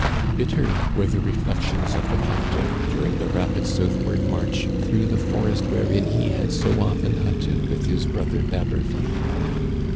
Bitter were the reflections of the captive during the rapid southward march through the forest, wherein he had so often hunted with his brother D'Haberville.